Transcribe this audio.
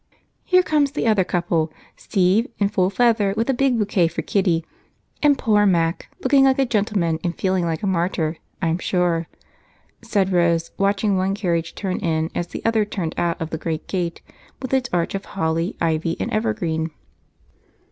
"Here comes the other couple Steve, in full feather, with a big bouquet for Kitty, and poor Mac, looking like a gentleman and feeling like a martyr, I'm sure," said Rose, watching one carriage turn in as the other turned out of the great gate, with its arch of holly, ivy, and evergreen.